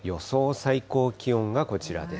最高気温がこちらです。